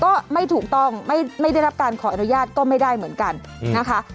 ก็ไม่ถูกต้องไม่ได้รับการขออนุญาตก็ไม่ได้เหมือนกันนะคะ